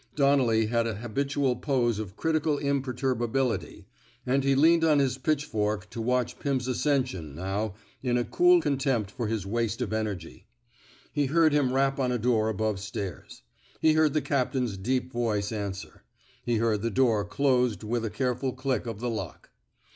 Donnelly had a habitual pose of critical imperturbability, and he leaned on his pitch fork to watch Pirn's ascension, now, in a cool contempt for his waste of energy. He heard him rap on a door above stairs. He heard the captain's deep voice answer. He heard the door closed with a careful click of the lock.